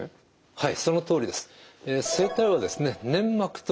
はい。